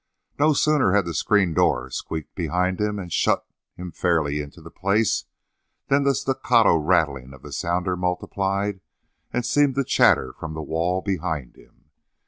No sooner had the screen door squeaked behind him and shut him fairly into the place than the staccato rattling of the sounder multiplied, and seemed to chatter from the wall behind him.